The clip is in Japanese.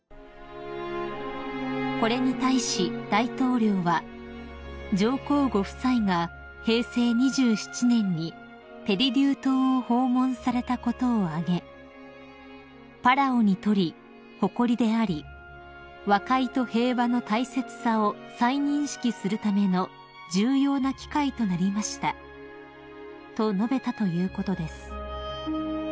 ［これに対し大統領は上皇ご夫妻が平成２７年にペリリュー島を訪問されたことを挙げ「パラオにとり誇りであり和解と平和の大切さを再認識するための重要な機会となりました」と述べたということです］